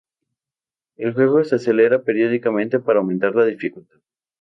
El juego se acelera periódicamente para aumentar la dificultad.